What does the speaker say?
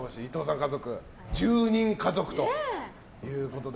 家族１０人家族ということで。